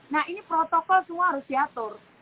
nah ini protokol semua harus diatur